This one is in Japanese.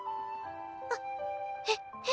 あっえっえっ？